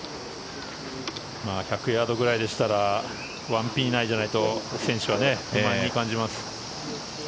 １００ヤードくらいだったら１ピン以内じゃないと選手は不安に感じます。